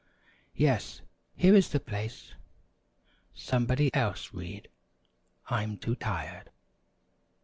"Yes, here is the place. Somebody else read; I'm too tired."